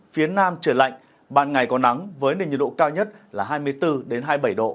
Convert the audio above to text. phía nam trời lạnh ban ngày có nắng với nền nhiệt độ cao nhất là hai mươi bốn hai mươi bảy độ